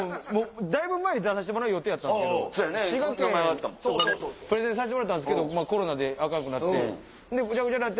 だいぶ前に出させてもらう予定やったんですけど滋賀県プレゼンさせてもらったんすけどコロナでアカンくなってでグチャグチャになって。